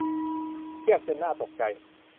เพียบจนน่าตกใจ